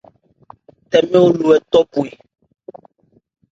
Tɛmɛ̂ Alɔ otɔ bhwe.